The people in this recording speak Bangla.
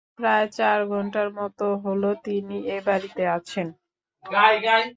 প্রায় চার ঘন্টার মতো হল, তিনি এ বাড়িতে আছেন।